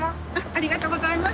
ありがとうございます